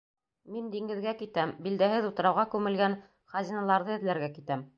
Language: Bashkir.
Мин диңгеҙгә китәм, билдәһеҙ утрауға күмелгән хазиналарҙы эҙләргә китәм!